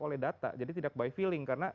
oleh data jadi tidak by feeling karena